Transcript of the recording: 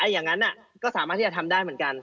อย่างนั้นก็สามารถที่จะทำได้เหมือนกัน